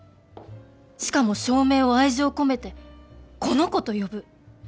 しかも照明を愛情込めて「この子」と呼ぶ。